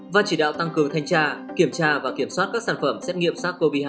và chỉ đạo tăng cường thanh tra kiểm tra và kiểm soát các sản phẩm xét nghiệm sars cov hai